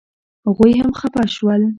هغوی هم خپه شول.